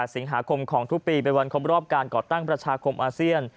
สิงหาคมของทุกปีเป็นวันครบรอบการก่อตั้งประชาคมอาเซียน